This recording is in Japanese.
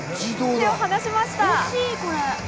手を離しました。